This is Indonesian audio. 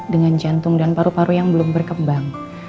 dengan jantung dan paru paru yang belum berkembang